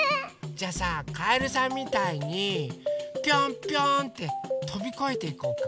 じゃあさかえるさんみたいにぴょんぴょんってとびこえていこうか？